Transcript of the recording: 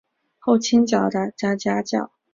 后倾角的夹角。